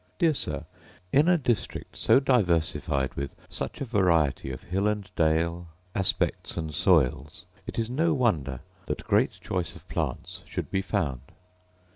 Dear Sir, In a district so diversified with such a variety of hill and dale, aspects, and soils, it is no wonder that great choice of plants should be found.